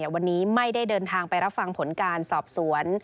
วันนี้ไม่ได้เดินทางไปรับฟังผลการสอบสวน